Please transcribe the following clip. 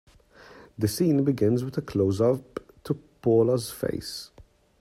The scene begins with a closeup to Paula's face.